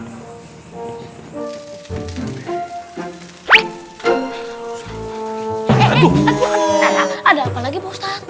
hei eh eh eh ada apa lagi pak ustaz